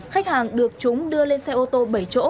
khách hàng được chúng đưa lên xe ô tô bảy chỗ